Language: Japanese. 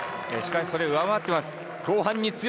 しかしそれを上回っています。